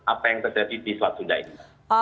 apa yang terjadi di selatunda ini